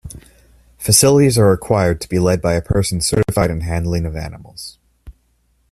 Facilities are required to be led by a person certified in handling of animals.